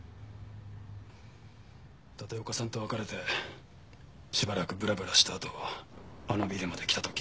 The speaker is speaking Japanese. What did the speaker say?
立岡さんと別れてしばらくブラブラしたあとあのビルまで来た時。